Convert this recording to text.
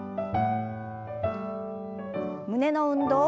胸の運動。